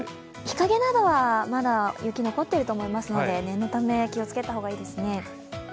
日陰などはまだ雪が残っていると思いますので念のため気を付けた方がいいですね。